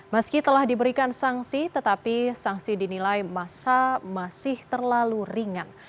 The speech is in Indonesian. meski telah diberikan sanksi tetapi sanksi dinilai masa masih terlalu ringan